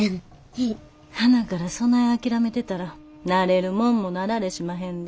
はなからそない諦めてたらなれるもんもなられしまへんで。